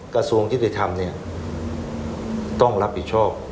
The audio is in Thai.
กระทรวงจิตธรรมต้องรับผิดชอบ